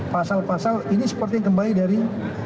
pasal pasal ini seperti yang kembali dari